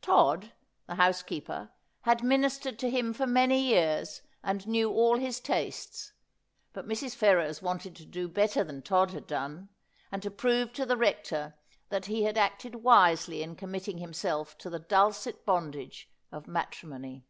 Todd, the housekeeper, had ministered to him for many years, and knew all his tastes : but Mrs. Ferrers wanted to do better than Todd had done, and to prove to the Rector that he had acted wisely in committing himself to the dulcet bondage of matri mony.